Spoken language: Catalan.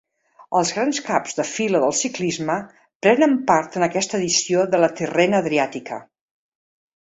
Els grans caps de fila del ciclisme prenen part en aquesta edició de la Tirrena-Adriàtica.